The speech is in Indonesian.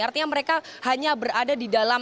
artinya mereka hanya berada di dalam